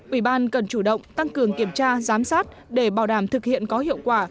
ủy ban cần chủ động tăng cường kiểm tra giám sát để bảo đảm thực hiện có hiệu quả